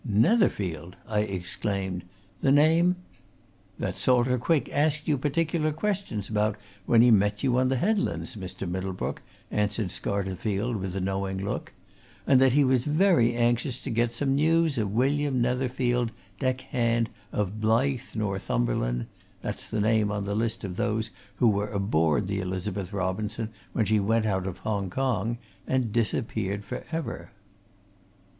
"Netherfield!" I exclaimed. "The name " "That Salter Quick asked you particular questions about when he met you on the headlands, Mr. Middlebrook," answered Scarterfield, with a knowing look, "and that he was very anxious to get some news of William Netherfield, deck hand, of Blyth, Northumberland that's the name on the list of those who were aboard the Elizabeth Robinson when she went out of Hong Kong and disappeared forever!"